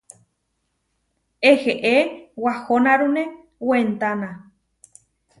Eheé, wahonárune wentána.